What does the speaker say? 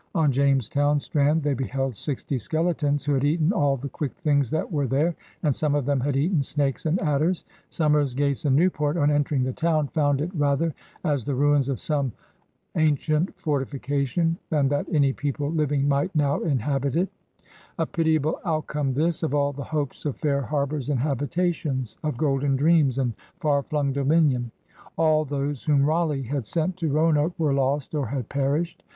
On Jamestown strand they beheld sixty skeletons 'Vho had eaten all the quick things that weare there, and some of them had eaten an&k^s and adders.*' Somers, Gates, and Ne^rport, .on catering the town, found it THE SEA ADVENTURE 69 *' rather as the ruins of some auntient fortifi cation than that any people living might now inhabit it/' A pitiable outcome, this, of all the hopes of fair ''harbours and habitations; '' of golden dreams, and far flung dominion. All, those whom Raleigh had sent to Roanoke were lost or had perished.